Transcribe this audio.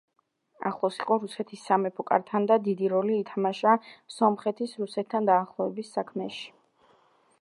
ახლოს იყო რუსეთის სამეფო კართან და დიდი როლი ითამაშა სომხეთის რუსეთთან დაახლოების საქმეში.